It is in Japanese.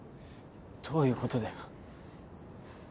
どういうことだよ。